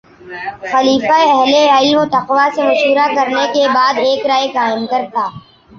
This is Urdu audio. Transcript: خلیفہ اہلِ علم و تقویٰ سے مشورہ کرنے کے بعد ایک رائے قائم کرتا